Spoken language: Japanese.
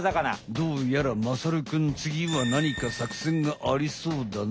どうやらまさるくんつぎはなにかさくせんがありそうだね。